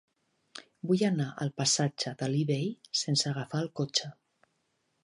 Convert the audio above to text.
Vull anar al passatge d'Alí Bei sense agafar el cotxe.